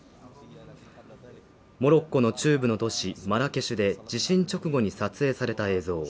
モロッコの中部の都市、マラケシュで地震直後に撮影された映像。